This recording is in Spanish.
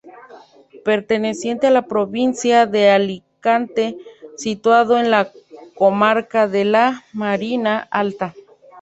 Perteneciente a la provincia de Alicante, situado en la comarca de la Marina Alta.